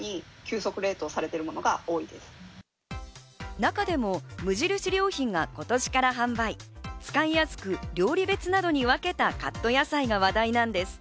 中でも無印良品が今年から販売、使いやすく、料理別などに分けたカット野菜が話題なんです。